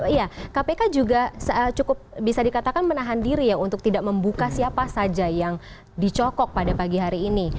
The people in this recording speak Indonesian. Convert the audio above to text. iya kpk juga cukup bisa dikatakan menahan diri ya untuk tidak membuka siapa saja yang dicokok pada pagi hari ini